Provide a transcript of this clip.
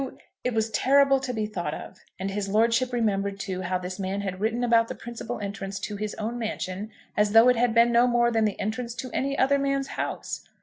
It was terrible to be thought of. And his lordship remembered, too, how this man had written about the principal entrance to his own mansion as though it had been no more than the entrance to any other man's house!